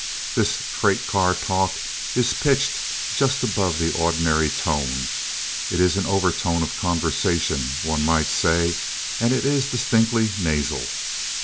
This freight car talk is pitched just above the ordinary tone it is an overtone of conversation, one might say and it is distinctly nasal.